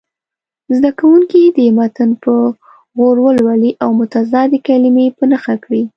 زده کوونکي دې متن په غور ولولي او متضادې کلمې په نښه کړي.